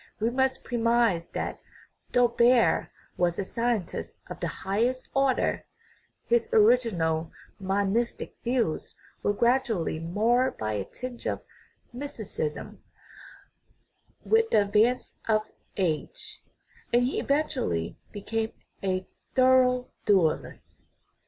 We must premise that, though Baer was a scientist of the highest order, his original monis tic views were gradually marred by a tinge of mysti cism with the advance of age, and he eventually be came a thorough dualist.